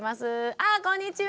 あこんにちは！